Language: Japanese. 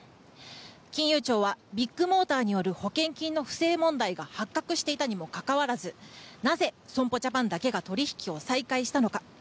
金融庁はビッグモーターによる保険金の不正問題が発覚していたにもかかわらずなぜ損保ジャパンだけが取引を再開したのか。